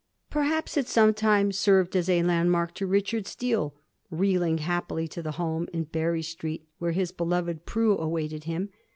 Perhaps it sometimes served as a land mark to Richard Steele, reeling happily to the home in * Berry ' Street, where his beloved Prue awaited him.